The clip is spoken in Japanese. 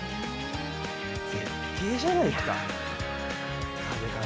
絶景じゃないですか。